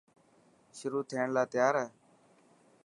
شروع ٿيڻ لا تيار هي.